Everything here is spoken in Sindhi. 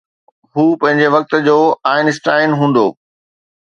هو پنهنجي وقت جو آئن اسٽائن هوندو.